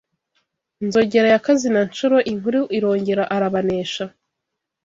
Nzogera ya Kazina-nshuro Inkuru irogera arabanesha